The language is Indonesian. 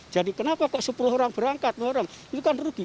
jadi kenapa kok sepuluh orang berangkat itu kan rugi